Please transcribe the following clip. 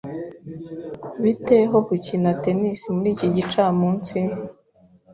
Bite ho gukina tennis muri iki gicamunsi?